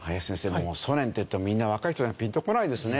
もうソ連っていってもみんな若い人にはピンとこないですね。